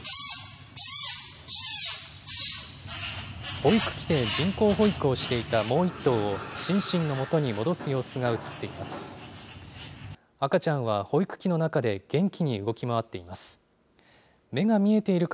保育器で人工保育をしていたもう１頭を、シンシンのもとに戻す様子が写っています。